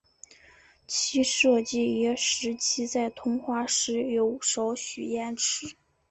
其设计也使其在通话时有少许延迟。